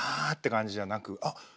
あって感じじゃなくあっ！